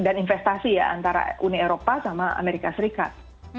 dan investasi ya antara uni eropa sama amerika serikat